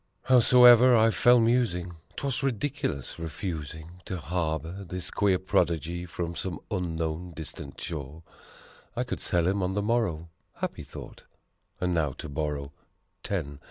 Howsoever, I fell musing, 'twas ridiculous refusing To harbor this queer prodigy from some unknown, distant shore; I could sell him on the morrow! Happy thought! And now to borrow Ten.